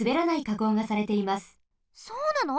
そうなの？